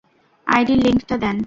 আইডির লিংকটা দেন।